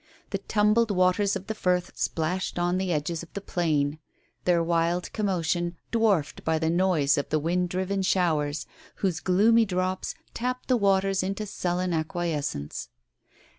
The tumbled waters of the Firth splashed on the edges of the plain, their wild commotion dwarfed by the noise of the wind driven showers, whose gloomy drops tapped the waters into sullen acquiescence.